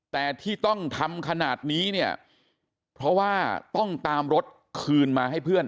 แต่ที่ต้องทำขนาดนี้เนี่ยเพราะว่าต้องตามรถคืนมาให้เพื่อน